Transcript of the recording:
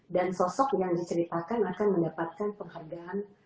dan sosok yang diceritakan akan mendapatkan penghargaan